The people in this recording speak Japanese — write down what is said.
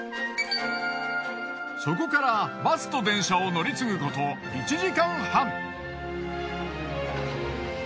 そこからバスと電車を乗り継ぐこと１時間半。